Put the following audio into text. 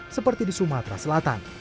seperti di sumatera selatan